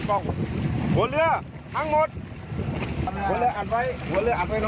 หัวเรืออัดไว้หัวเรืออัดไว้น้องหัวเรืออัดไว้